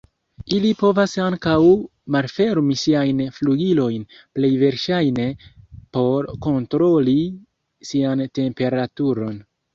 Ili povas ankaŭ malfermi siajn flugilojn, plej verŝajne por kontroli sian temperaturon.